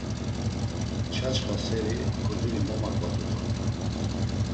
Çaçxa seri xuzuri momaǩvatu dort̆u.